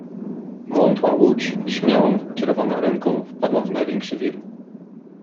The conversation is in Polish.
"Wątła łódź, śmiałą kierowana ręką, wpadała w największy wir."